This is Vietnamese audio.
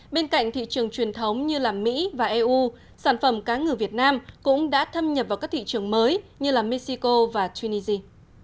bên cạnh thị trường truyền thống như mỹ và eu sản phẩm cá ngừ việt nam cũng đã thâm nhập vào các thị trường mới như mexico và tunisia